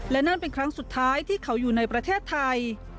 และนั่นเป็นครั้งสุดท้ายที่เขาอยู่ในประเทศไทย